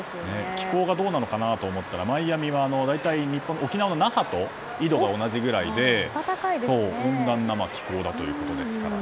気候がどうなのかなと思ったらマイアミは大体、沖縄の那覇と緯度が同じくらいで温暖な気候ということですからね。